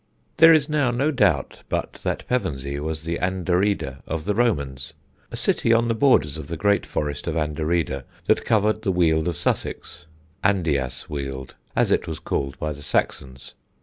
There is now no doubt but that Pevensey was the Anderida of the Romans, a city on the borders of the great forest of Anderida that covered the Weald of Sussex Andreas Weald as it was called by the Saxons.